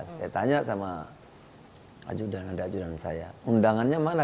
saya tanya sama adjudan adjudan saya undangannya mana